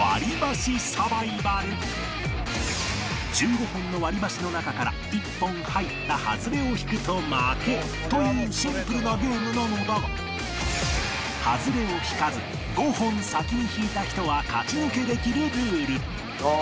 １５本の割り箸の中から１本入ったハズレを引くと負けというシンプルなゲームなのだがハズレを引かず５本先に引いた人は勝ち抜けできるルール